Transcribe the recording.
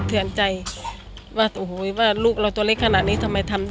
เราก็ไม่รู้เหมือนกับมันนะครับ